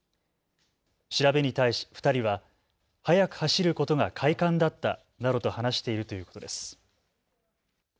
調べに対し２人は速く走ることが快感だったなどと話しているということです。